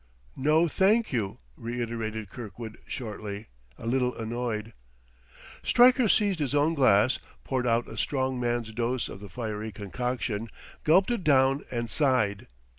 "No, thank you," reiterated Kirkwood shortly, a little annoyed. Stryker seized his own glass, poured out a strong man's dose of the fiery concoction, gulped it down, and sighed.